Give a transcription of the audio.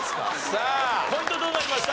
さあポイントどうなりました？